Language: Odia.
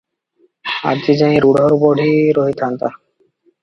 ଆଜିଯାଏ ରୂଢ଼ ବଢ଼ି ରହିଥାନ୍ତା